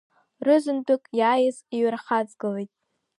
Рызынтәык иааиз иҩархаҵгылеит.